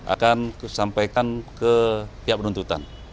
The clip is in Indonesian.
akan disampaikan ke pihak penuntutan